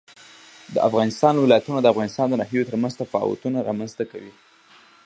د افغانستان ولايتونه د افغانستان د ناحیو ترمنځ تفاوتونه رامنځ ته کوي.